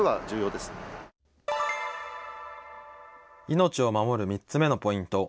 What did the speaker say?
命を守る３つ目のポイント。